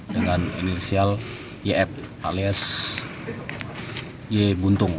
dengan inisial yf alias y buntung